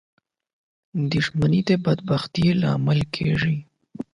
• دښمني د بدبختۍ لامل کېږي.